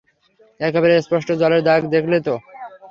একেবারে স্পষ্ট জলের দাগ দেখলে তো?